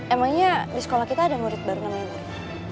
emangnya di sekolah kita ada murid baru namanya wuri